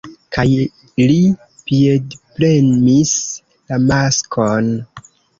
kaj li piedpremis la maskon.